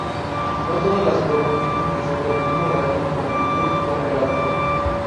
No todas las curvas tienen que ser del mismo radio, longitud o peralte.